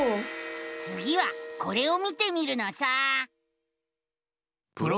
つぎはこれを見てみるのさ！